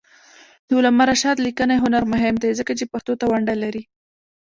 د علامه رشاد لیکنی هنر مهم دی ځکه چې پښتو ته ونډه لري.